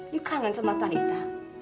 you kangen sama talita